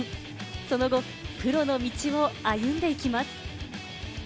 その後、プロの道を歩んでいきます。